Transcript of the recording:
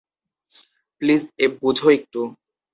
Please বুঝো একটু।